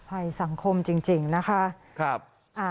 ภัยสังคมจริงนะคะ